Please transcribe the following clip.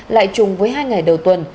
lại chung với hai ngày đầu tuần